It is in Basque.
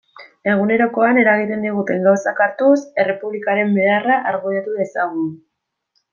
Egunerokoan eragiten diguten gauzak hartuz, Errepublikaren beharra argudiatu dezagun.